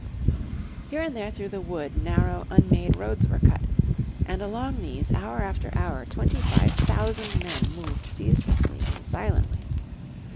Here and there through the wood narrow, unmade roads were cut, and along these hour after hour twenty five thousand men moved ceaselessly and silently.